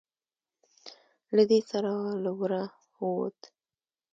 له دې سره له وره ووت.